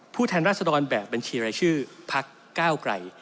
ผู้แทนรัศดรแบบบัญชีรายชื่อภักดิ์ก้าวไกร